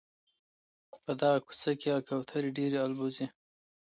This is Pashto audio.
په دغه کوڅه کي کوتري ډېري البوځي.